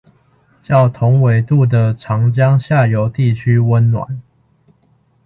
較同緯度的長江下游地區溫暖